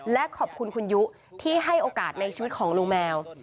และขอบคุณคุณยุที่ให้โอกาสในชีวิตของลุงแมว